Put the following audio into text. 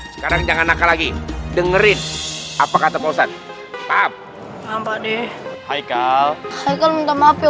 sekarang jangan naka lagi dengerin apa kata posat paham paham pak d hai hai kalau minta maaf ya